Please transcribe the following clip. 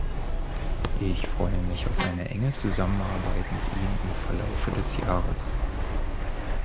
Ich freue mich auf eine enge Zusammenarbeit mit ihm im Verlaufe des Jahres.